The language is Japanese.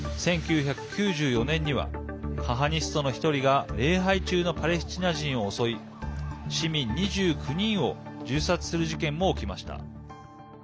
１９９４年にはカハニストの１人が礼拝中のパレスチナ人を襲い市民２９人を銃殺する事件も起きました。